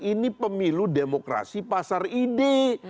ini pemilu demokrasi pasar ide